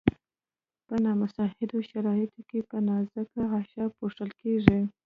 په نامساعدو شرایطو کې په نازکه غشا پوښل کیږي.